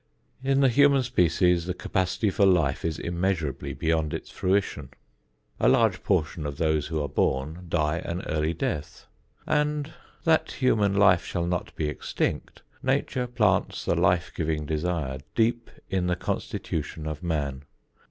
In the human species the capacity for life is immeasurably beyond its fruition. A large portion of those who are born die an early death. And that human life shall not be extinct, Nature plants the life giving desire deep in the constitution of man.